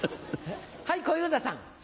はい小遊三さん。